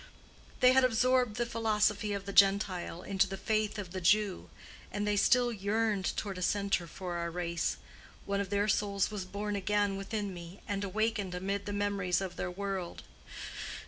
They had absorbed the philosophy of the Gentile into the faith of the Jew, and they still yearned toward a center for our race. One of their souls was born again within me, and awakened amid the memories of their world.